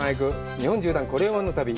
日本縦断コレうまの旅」。